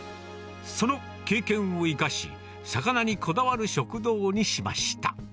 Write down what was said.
その経験を生かし、魚にこだわる食堂にしました。